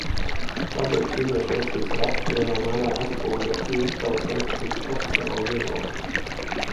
Tādēļ ķīniešu versijas raksti lielā mērā atspoguļo Ķīnas Tautas Republikas oficiālo viedokli.